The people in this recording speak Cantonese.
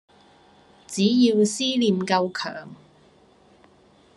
只要思念夠强